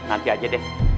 nanti aja deh